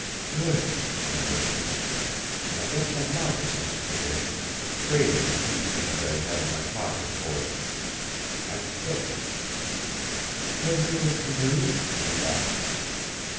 "Good," he whispered. "I got some moccasins to day traded a few things I had in my pockets for them. I'm fixed." "Have you a canoe?" she asked.